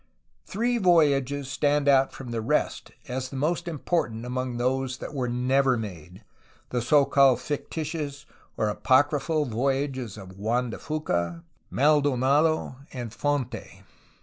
Three voyages stand out from the rest as the most im portant among those that were never made, — the so called fictitious, or apocryphal, voyages of Juan de Fuca, Mal donado, and Fonte.